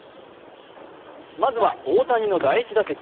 まずは大谷の第１打席。